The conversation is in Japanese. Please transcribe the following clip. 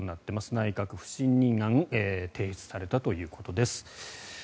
内閣不信任案提出されたということです。